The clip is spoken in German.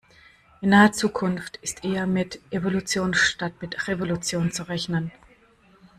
In naher Zukunft ist eher mit Evolution statt mit Revolution zu rechnen.